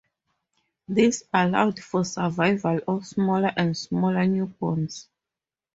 This allowed for survival of smaller and smaller newborns.